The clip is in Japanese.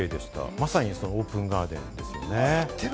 まさにオープンガーデンですよね。